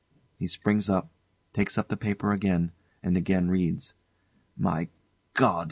[He springs up, takes up the paper again, and again reads.] My God!